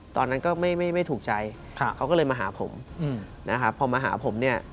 ตอนนั้นก็ไม่ถูกใจเขาก็เลยมาหาผมนะครับพอมาหาผมเนี่ย